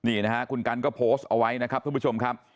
นี่นะฮะคุณกันก็โพสต์เอาไว้นะครับทุกผู้ชมครับ